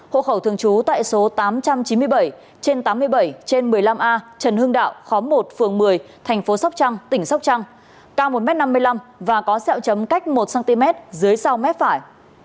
hộ khẩu thường trú tại số tám trăm chín mươi bảy trên tám mươi bảy trên một mươi năm a trần hưng đạo khóm một phường một mươi thành phố sóc trăng tỉnh sóc trăng cao một m năm mươi năm và có xẹo chấm cách một cm dưới sau mép phải